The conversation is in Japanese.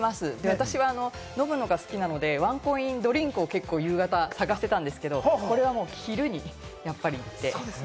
私は飲むのが好きなので、ワンコインドリンクを結構、夕方探してたんですけれども、これはもう昼に行って。